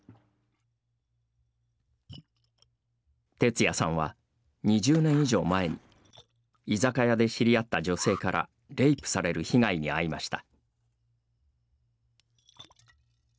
テツヤさんは、２０年以上前に居酒屋で知り合った女性からレイプされる被害に遭いました。